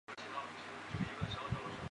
之后杨棣华和汤秀云结婚了。